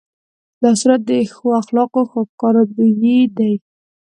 لاسونه د ښو اخلاقو ښکارندوی دي